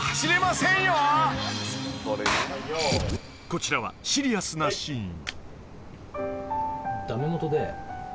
［こちらはシリアスなシーン］